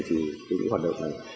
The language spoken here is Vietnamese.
thì lý do hoạt động này